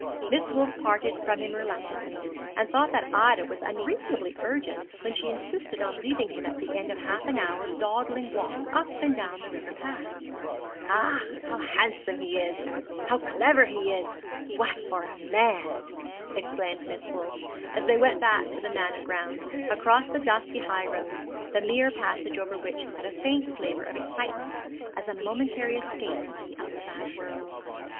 Miss Wolf parted from him reluctantly, and thought that Ida was unreasonably urgent when she insisted on leaving him at the end of half an hour's dawdling walk up and down the river path. 'Ach, how he is handsome! how he is clever! What for a man!' exclaimed Miss Wolf, as they went back to the Manor grounds, across the dusty high road, the mere passage over which had a faint flavour of excitement, as a momentary escape into the outside world.